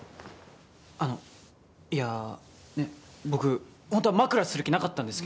あのいやねっ僕ほんとは枕する気なかったんですけど。